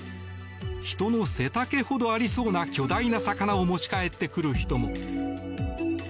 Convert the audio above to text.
人の背丈ほどありそうな巨大な魚を持ち帰ってくる人も。